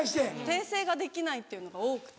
訂正ができないっていうのが多くて。